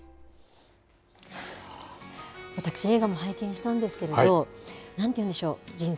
私、映画も拝見したんですけれどもなんて言うんでしょう人生